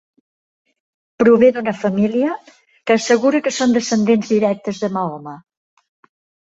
Prové d'una família que assegura que són descendents directes de Mahoma.